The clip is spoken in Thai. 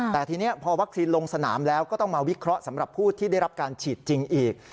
แต่ทีนี้พอวัคซีนลงสนามแล้วก็ต้องมาวิเคราะห์สำหรับผู้ที่ได้รับการฉีดจริงอีก